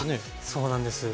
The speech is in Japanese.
そうなんです。